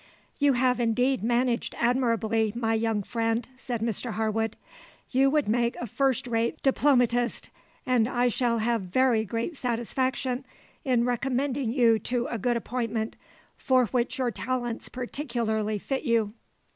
"You have indeed managed admirably, my young friend," said Mr Harwood. "You would make a first rate diplomatist, and I shall have very great satisfaction in recommending you to a good appointment for which your talents peculiarly fit you.